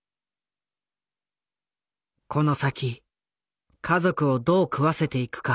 この先家族をどう食わせていくか。